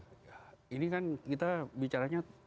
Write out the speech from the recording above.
jadi kan ini kan kita bicaranya